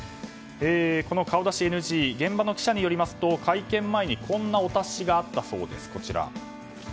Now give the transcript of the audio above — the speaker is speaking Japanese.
この顔出しＮＧ現場の記者によりますと会見前にこんなお達しがあったそうです。